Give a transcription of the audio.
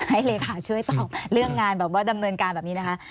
เลขาช่วยตอบเรื่องงานแบบว่าดำเนินการแบบนี้นะคะ